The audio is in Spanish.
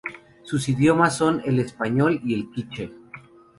Sus idiomas son el español y el k'iche'.